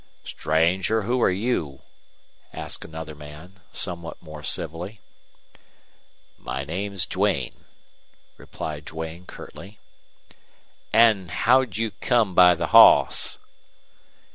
"Stranger, who are you?" asked another man, somewhat more civilly. "My name's Duane," replied Duane, curtly. "An' how'd you come by the hoss?"